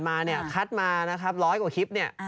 ที่ผ่านมาคัดมา๑๐๐กว่าคลิป